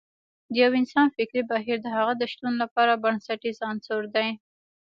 د يو انسان فکري بهير د هغه د شتون لپاره بنسټیز عنصر دی.